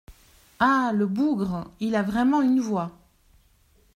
Ah ! le bougre, il a vraiment une voix !